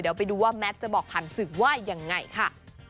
เดี๋ยวไปดูว่าแมทจะบอกผ่านศึกว่ายังไงค่ะ